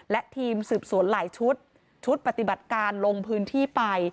และทีมสืบสวนหลายชุดชุดปฏิบัติการลงพื้นที่ไป